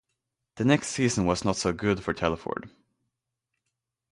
The next season was not so good for Telford.